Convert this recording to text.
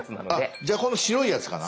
じゃあこの白いやつかな？